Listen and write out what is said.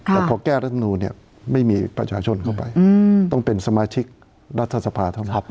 แต่พอแก้รัฐมนูลไม่มีประชาชนเข้าไปต้องเป็นสมาชิกรัฐสภาเท่านั้น